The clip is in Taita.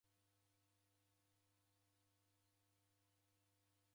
Dikwane chienyi